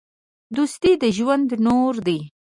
دوستي د ژوند نور دی.